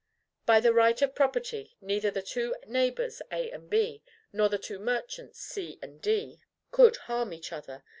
By the right of property, neither the two neighbors A and B, nor the two merchants C and D, could harm each other.